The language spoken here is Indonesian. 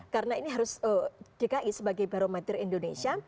karena ini harus dki sebagai barometer indonesia